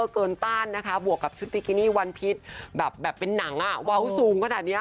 เกินต้านนะคะบวกกับชุดบิกินี่วันพิษแบบเป็นหนังอ่ะเว้าซูมขนาดนี้